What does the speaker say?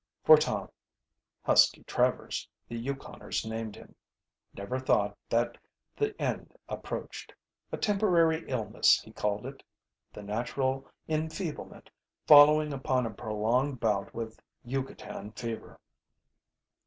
For Tom Husky Travers, the Yukoners named him never thought that the end approached. A temporary illness, he called it, the natural enfeeblement following upon a prolonged bout with Yucatan fever.